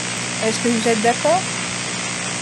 Est-ce que vous êtes d’accord?